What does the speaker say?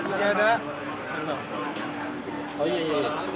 yang mau ditanya apa tadi